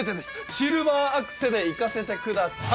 シルバーアクセでいかせてください！